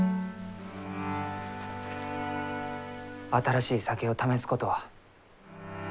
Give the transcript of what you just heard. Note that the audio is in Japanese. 新しい酒を試すことはう